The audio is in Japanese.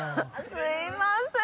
すいませーん！